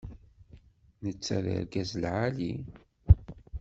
Netta d argaz lɛali.